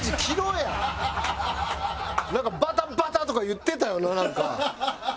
バタバタ！とか言ってたよななんか。